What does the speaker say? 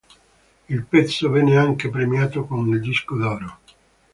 Il pezzo venne anche premiato con il disco d'oro.